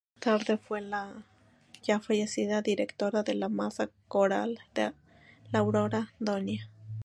Más tarde fue la, ya fallecida directora de la Masa Coral la Aurora, Dña.